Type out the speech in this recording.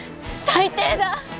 最低だ！